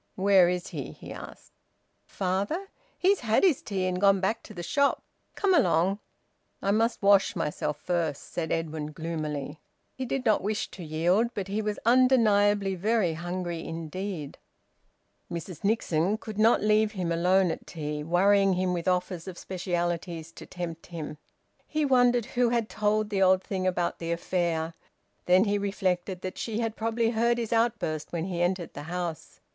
"Where is he?" he asked. "Father? He's had his tea and gone back to the shop. Come along." "I must wash myself first," said Edwin gloomily. He did not wish to yield, but he was undeniably very hungry indeed. Mrs Nixon could not leave him alone at tea, worrying him with offers of specialities to tempt him. He wondered who had told the old thing about the affair. Then he reflected that she had probably heard his outburst when he entered the house.